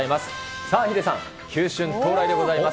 さあ、ヒデさん、球春到来でございます。